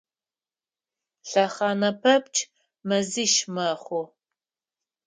Лъэхъанэ пэпчъ мэзищ мэхъу.